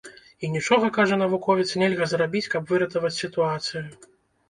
І нічога, кажа навуковец, нельга зрабіць, каб выратаваць сітуацыю.